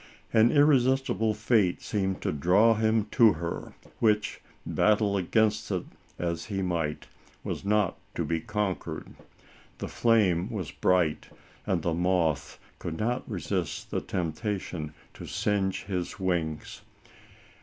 An irresistible fate seemed to draw him to her, which, battle against it as he might, was not to be conquered. The flame was bright, and the moth could not resist the temp tation to singe his wings.